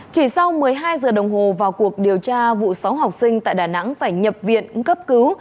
chỉ sau một mươi hai giờ đồng hồ vào cuộc điều tra vụ sáu học sinh tại đà nẵng phải nhập viện cấp cứu